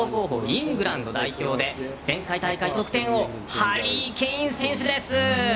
イングランド代表で前回大会、得点王ハリー・ケイン選手です！